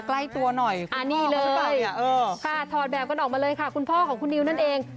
ค่ะถอดแบบกันออกมาเลยค่ะคุณพ่อของคุณนิ้วนั่นเอง